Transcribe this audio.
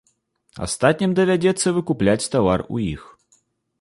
Астатнім давядзецца выкупляць тавар у іх.